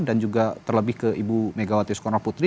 dan juga terlebih ke ibu megawati soekarnoputri